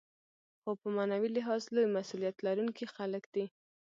خو په معنوي لحاظ لوی مسوولیت لرونکي خلک دي.